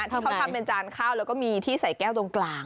ที่เขาทำเป็นจานข้าวแล้วก็มีที่ใส่แก้วตรงกลาง